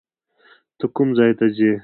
ته کوم ځای ته ځې؟